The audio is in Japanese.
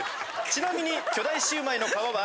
ちなみに。